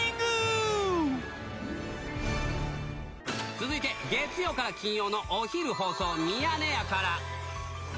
続いて月曜から金曜のお昼放送、ミヤネ屋から。